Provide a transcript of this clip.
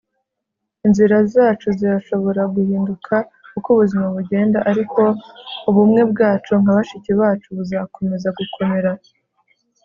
inzira zacu zirashobora guhinduka uko ubuzima bugenda, ariko ubumwe bwacu nka bashiki bacu buzakomeza gukomera